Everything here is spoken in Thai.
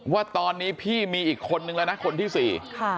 ว่าตอนนี้พี่มีอีกคนนึงแล้วนะคนที่สี่ค่ะ